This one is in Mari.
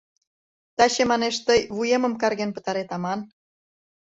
— Таче, манеш, тый вуемым карген пытарет аман...